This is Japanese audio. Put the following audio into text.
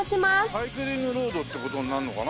サイクリングロードって事になるのかな？